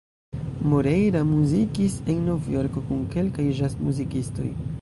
Moreira muzikis en Novjorko kun kelkaj ĵazmuzikistoj.